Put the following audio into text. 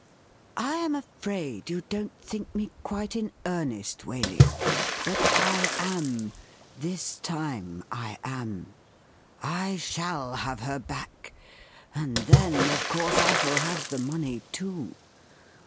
*I am afraid you don't think me quite in earnest, Waley. But I am — this time I am. I shall have her back, and then, of course, I shall have the money too.